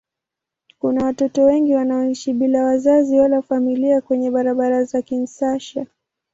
Kuna watoto wengi wanaoishi bila wazazi wala familia kwenye barabara za Kinshasa.